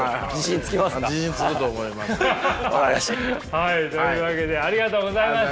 はいというわけでありがとうございました。